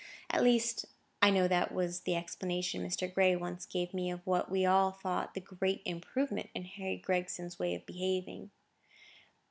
At least, I know that was the explanation Mr. Gray once gave me of what we all thought the great improvement in Harry Gregson's way of behaving.